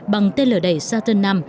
bằng tên lửa đẩy saturn chín